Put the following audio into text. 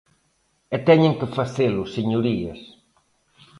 E teñen que facelo, señorías.